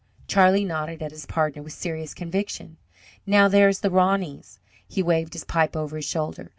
Charlie nodded at his partner with serious conviction. "Now, there's the Roneys," he waved his pipe over his shoulder.